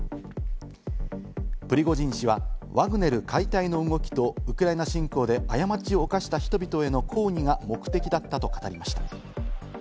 プリゴジン氏はワグネル解体の動きとウクライナ侵攻で過ちを犯した人々への抗議が目的だったと語りました。